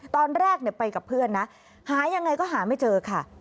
ตอนแรกไปกับเพื่อนนะหายังไงก็หาไม่เจอค่ะ